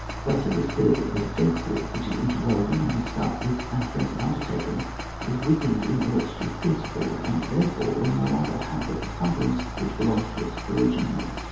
Thus it is clear that the defensive, which is interwoven or mixed up with an offensive undertaking, is weakened in all its chief principles; and, there fore, will no longer have the pre ponderance which belongs to it origin ally.